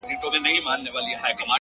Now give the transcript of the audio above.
o راځي سبا،